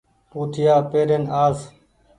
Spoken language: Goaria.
پوٺيآ پيرين آس